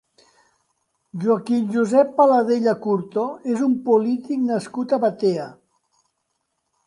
Joaquim Josep Paladella Curto és un polític nascut a Batea.